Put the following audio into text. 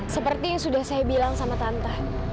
seperti yang sudah saya bilang sama tante